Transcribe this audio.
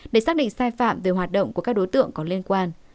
để xác định sai phạm về hoạt động của các đối tượng có liên quan